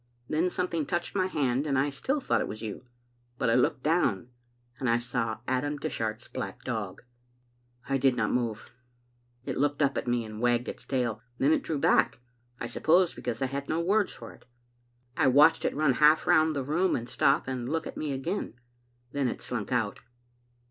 Then something touched my hand, and I still thought it was you ; but I looked down, and I saw Adam Dishart's black dog. " I did not move. It looked up at me and wagged its tail. Then it drew back — I suppose because I had no words for it. I watched it run half round the room and stop and look at me again. Then it slunk out.